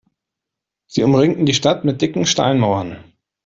Sie umringten die Stadt mit dicken Steinmauern.